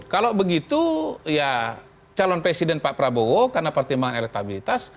kalau begitu ya calon presiden pak prabowo karena pertimbangan elektabilitas